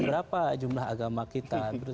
berapa jumlah agama kita